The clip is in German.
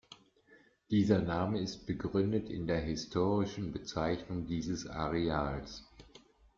Dieser Name ist begründet in der historischen Bezeichnung dieses Areals.